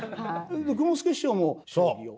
雲助師匠も将棋を？